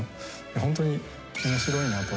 ホントに面白いなと。